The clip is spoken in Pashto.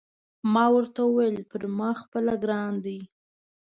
ما ورته وویل: پر ما خپله ګران دی.